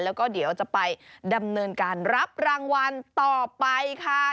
แล้วก็เดี๋ยวจะไปดำเนินการรับรางวัลต่อไปค่ะ